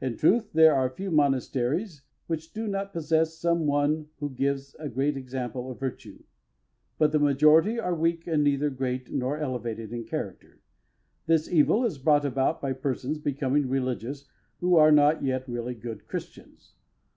"In truth, there are few monasteries which do not possess some one who gives a great example of virtue, but the majority are weak and neither great nor elevated in character. This evil is brought about by persons becoming religious who are not yet really good Christians.